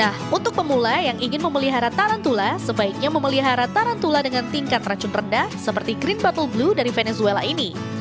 nah untuk pemula yang ingin memelihara tarantula sebaiknya memelihara tarantula dengan tingkat racun rendah seperti green buttle blue dari venezuela ini